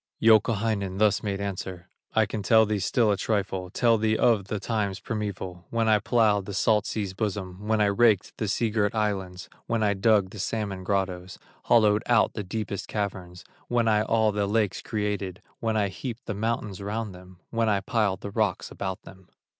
Youkahainen thus made answer: "I can tell thee still a trifle, Tell thee of the times primeval, When I plowed the salt sea's bosom, When I raked the sea girt islands, When I dug the salmon grottoes, Hollowed out the deepest caverns, When I all the lakes created, When I heaped the mountains round them, When I piled the rocks about them.